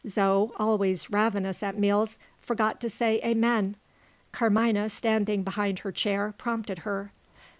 Zo, always ravenous at meals, forgot to say Amen. Carmina, standing behind her chair, prompted her.